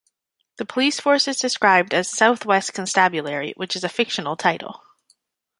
The police force is described as "South West Constabulary", which is a fictional title.